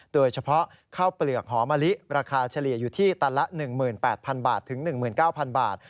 โดยเฉพาะข้าวเปลือกหอมะลิราคาเฉลี่ยอยู่ที่ตันละ๑๘๐๐บาทถึง๑๙๐๐บาท